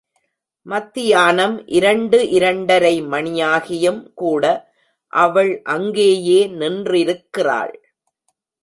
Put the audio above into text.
மத்தியானம் இரண்டு இரண்டரை மணியாகியும் கூட அவள் அங்கேயே நின்றிருக்கிறாள்.